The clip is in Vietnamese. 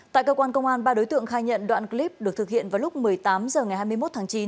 tại cơ quan công an ba đối tượng khai nhận đoạn clip được thực hiện vào lúc một mươi tám h ngày hai mươi một tháng chín